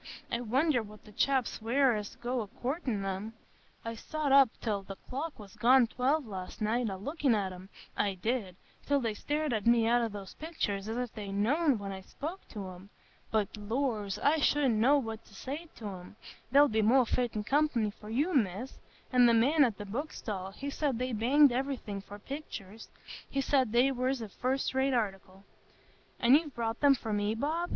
I wonder what the chaps wear as go a courtin' 'em! I sot up till the clock was gone twelve last night, a lookin' at 'em,—I did,—till they stared at me out o' the picturs as if they'd know when I spoke to 'em. But, lors! I shouldn't know what to say to 'em. They'll be more fittin' company for you, Miss; and the man at the book stall, he said they banged iverything for picturs; he said they was a fust rate article." "And you've bought them for me, Bob?"